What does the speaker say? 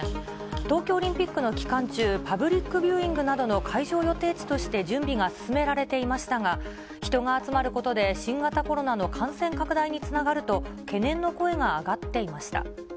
東京オリンピックの期間中、パブリックビューイングなどの会場予定地として準備が進められていましたが、人が集まることで、新型コロナの感染拡大につながると懸念の声が上がっていました。